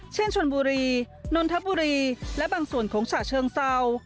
เช่นชนบุรีนนทบุรีและบางส่วนของฉะเชิงเศร้า